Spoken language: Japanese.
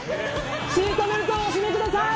シートベルトをお締めください！